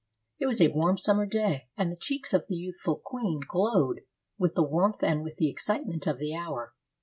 It was a warm summer day, and the cheeks of the youthful queen glowed with the warmth and with the excitement of the hour.